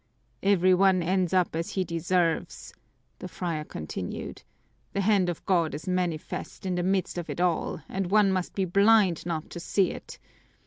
"Every one ends up as he deserves," the friar continued. "The hand of God is manifest in the midst of it all, and one must be blind not to see it.